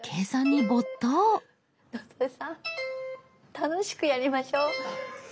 楽しくやりましょう。